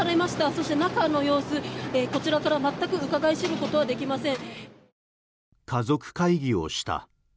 そして中の様子こちらから全くうかがい知ることはできません。